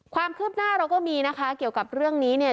ความคืบหน้าเราก็มีนะคะเกี่ยวกับเรื่องนี้เนี่ย